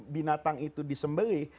binatang itu disembeli